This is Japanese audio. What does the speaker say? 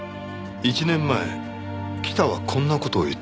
１年前北はこんな事を言ってました。